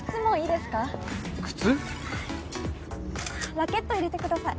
ラケット入れてください。